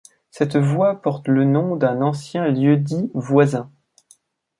Cette voie porte le nom d'un ancien lieu-dit voisin.